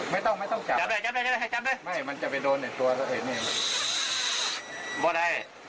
ไม่มันจะไปโดนเนี่ยตัวเราเห็นเนี่ย